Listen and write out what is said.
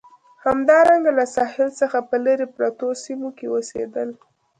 همدارنګه له ساحل څخه په لرې پرتو سیمو کې اوسېدل.